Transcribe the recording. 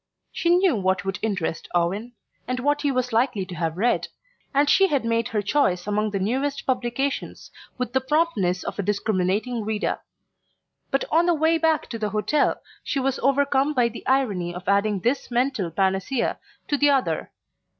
She knew what would interest Owen, and what he was likely to have read, and she had made her choice among the newest publications with the promptness of a discriminating reader. But on the way back to the hotel she was overcome by the irony of adding this mental panacea to the other.